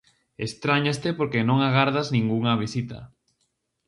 Estráñaste porque non agardas ningunha visita.